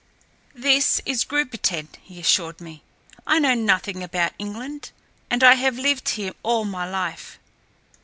"This is Grubitten," he assured me. "I know nothing about England, and I have lived here all my life."